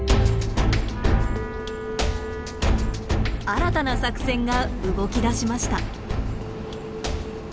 新たな作戦が動きだしました。